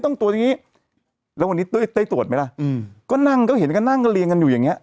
ต้องตรวจอย่างงี้แล้ววันนี้ได้ตรวจไหมล่ะอืมก็นั่งก็เห็นก็นั่งเรียงกันอยู่อย่างเงี้